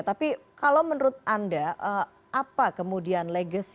tapi kalau menurut anda apa kemudian legacy